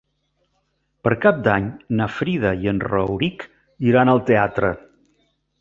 Per Cap d'Any na Frida i en Rauric iran al teatre.